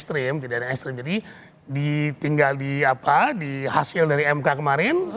tidak ada yang ekstrim jadi tinggal di hasil dari mk kemarin